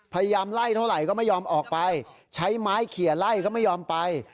พยายามไล่เท่าไหร่ก็ไม่ยอมออกไปใช้ไม้เขียนไล่ก็ไม่ยอมไป